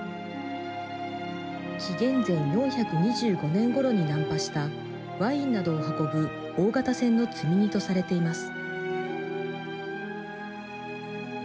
紀元前４２５年ごろに難破したワインなどを運ぶ大型船の積み荷とされています。